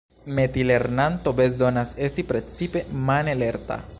Metilernanto bezonas esti precipe mane lerta.